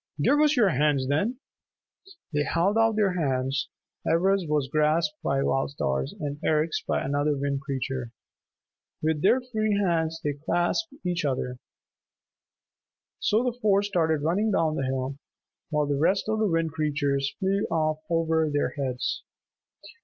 "Give us your hands, then!" They held out their hands. Ivra's was grasped by Wild Star's and Eric's by another Wind Creature. With their free hands they clasped each other's. So the four started running down the hill, while the rest of the Wind Creatures flew off over their heads.